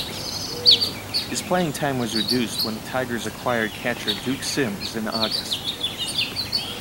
His playing time was reduced when the Tigers acquired catcher Duke Sims in August.